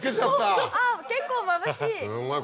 結構まぶしい。